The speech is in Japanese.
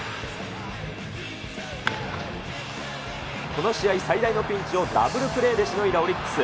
この試合、最大のピンチをダブルプレーでしのいだオリックス。